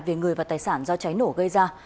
về người và tài sản do cháy nổ gây ra